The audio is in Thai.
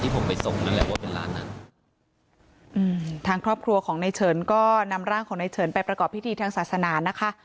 ทางครอบครัวของในเฉินก็นำร่างของในเฉินไปประกอบพิธีทางศาสนานะคะ